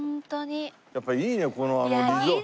やっぱりいいねこのリゾート。